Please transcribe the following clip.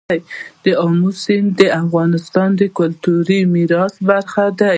آمو سیند د افغانستان د کلتوري میراث برخه ده.